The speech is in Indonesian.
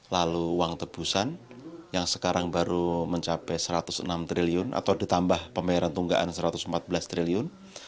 lalu uang tebusan yang sekarang baru mencapai satu ratus enam triliun atau ditambah pembayaran tunggaan satu ratus empat belas triliun